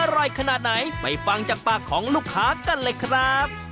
อร่อยขนาดไหนไปฟังจากปากของลูกค้ากันเลยครับ